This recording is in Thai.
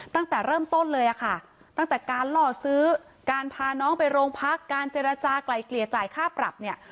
ตั้งแต่เริ่มต้นเลยอะค่ะตั้งแต่การล่อซื้อการพาน้องไปโรงพักการเจรจากลายเกลี่ยจ่ายค่าปรับเนี่ย